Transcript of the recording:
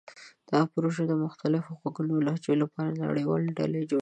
دا پروژه د مختلفو غږونو او لهجو لپاره د نړیوالې ډلې جوړوي.